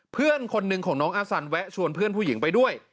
เพื่อนคนหนึ่งของน้องอาสันแวะชวนเพื่อนผู้หญิงไปด้วย